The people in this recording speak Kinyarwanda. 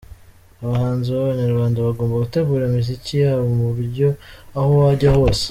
Abahanzi babanyarwanda bagomba gutegura imiziki yabo mu buryo aho wajya hose .